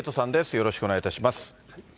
よろしくお願いします。